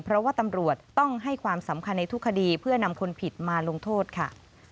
เพราะว่าตำรวจต้องให้ความสำคัญในทุกคดีเพื่อนำคนผิดมาลงโทษค่ะ